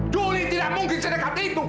doli tidak mungkin sedekat itu